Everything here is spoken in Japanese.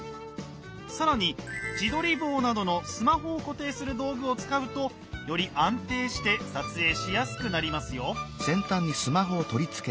更に自撮り棒などのスマホを固定する道具を使うとより安定して撮影しやすくなりますよ。